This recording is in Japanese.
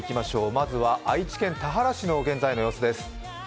まずは愛知県田原市の様子です。